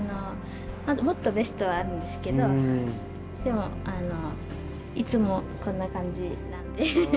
もっとベストはあるんですけどいつもこんな感じなので。